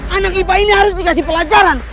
anak ipa ini harus dikasih pelajaran